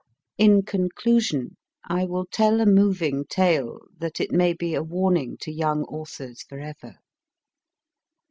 In conclusion, I will tell a moving tale, that it may be a warning to young authors for ever.